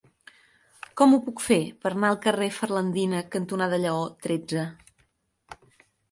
Com ho puc fer per anar al carrer Ferlandina cantonada Lleó tretze?